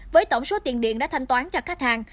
với tổng số tiền điện đã thanh toán cho khách hàng